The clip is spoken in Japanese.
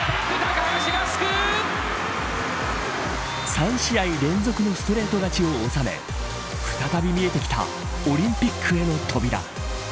３試合連続のストレート勝ちを収め再び見えてきたオリンピックへの扉。